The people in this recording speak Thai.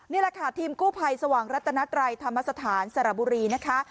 นี่แหละค่ะทีมกู้ภัยสว่างรัตนัตรัยธรรมสถานสระบุรีนะคะ